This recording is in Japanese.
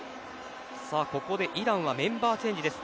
ここでイランはメンバーチェンジです。